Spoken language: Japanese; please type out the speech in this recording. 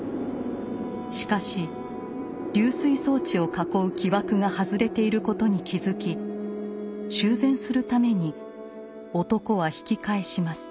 しかし溜水装置を囲う木枠が外れていることに気付き修繕するために男は引き返します。